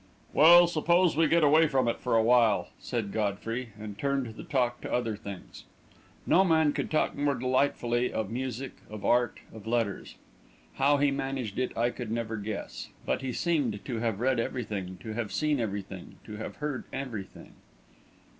"Well, suppose we get away from it for a while," said Godfrey, and turned the talk to other things. No man could talk more delightfully of music, of art, of letters. How he managed it I could never guess, but he seemed to have read everything, to have seen everything, to have heard everything.